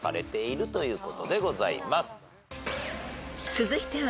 ［続いては］